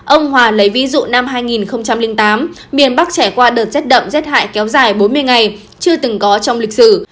ông hòa lấy ví dụ năm hai nghìn tám miền bắc trải qua đợt rét đậm rét hại kéo dài bốn mươi ngày chưa từng có trong lịch sử